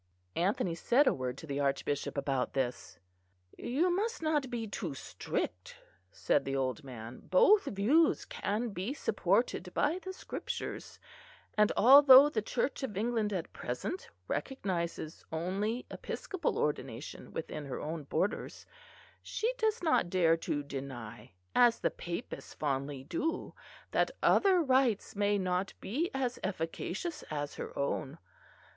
Anthony said a word to the Archbishop about this. "You must not be too strict," said the old man. "Both views can be supported by the Scriptures; and although the Church of England at present recognises only Episcopal Ordination within her own borders, she does not dare to deny, as the Papists fondly do, that other rites may not be as efficacious as her own.